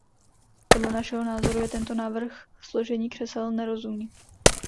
Podle našeho názoru je tento návrh složení křesel nerozumný.